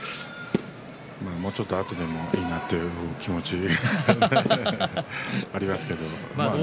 もうちょっとあとでもいいなという気持ちありますけど。